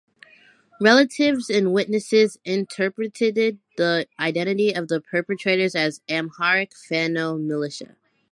Relatives and witnesses interpreted the identity of the perpetrators as Amharic Fanno militia.